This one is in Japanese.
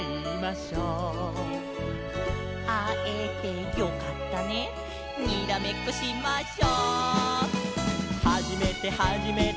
「あえてよかったねにらめっこしましょ」「はじめてはじめて」